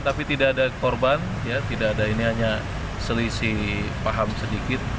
tapi tidak ada korban tidak ada ini hanya selisih paham sedikit